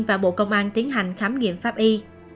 và bộ công an tiến hành khám nghiệm pháp y